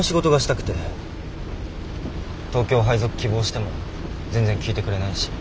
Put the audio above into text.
東京配属希望しても全然聞いてくれないし。